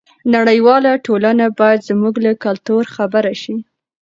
نړیواله ټولنه باید زموږ له کلتور خبره شي.